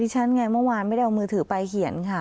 ฉันไงเมื่อวานไม่ได้เอามือถือไปเขียนค่ะ